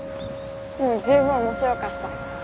もう十分面白かった。